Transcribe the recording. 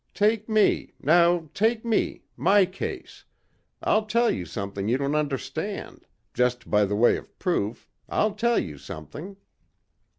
Take me.... Now take me ... my case.... I'll tell you something you don't understand ... just by the way of proof.... I'll tell you something...."